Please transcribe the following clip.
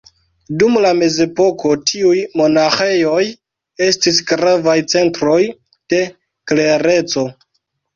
Dum la mezepoko tiuj monaĥejoj estis gravaj centroj de klereco.